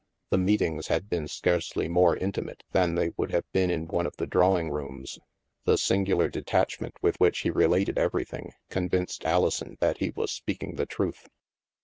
The meetings had been scarcely more intimate than they would have been in one of the drawing rooms. The singular detachment with which he related every thing convinced Alison that he was speaking the truth.